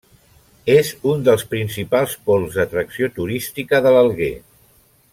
És un dels principals pols d'atracció turística de l'Alguer.